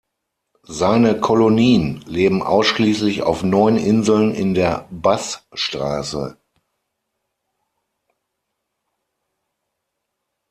Seine Kolonien leben ausschließlich auf neun Inseln in der Bass-Straße.